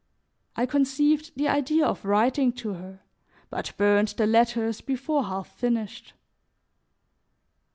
I conceived the idea of writing to her, but burned the letters before half finished.